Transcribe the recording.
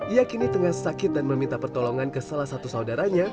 ia kini tengah sakit dan meminta pertolongan ke salah satu saudaranya